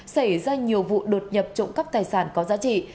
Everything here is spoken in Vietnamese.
xảy ra nhiều vụ đột nhập trộm cắp tài sản có giá trị